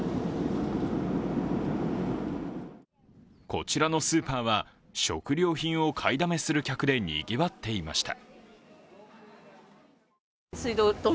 こちらのスーパーは食料品を買いだめする人でにぎわっていました。